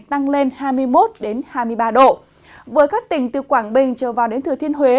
tăng lên hai mươi một hai mươi ba độ với các tỉnh từ quảng bình trở vào đến thừa thiên huế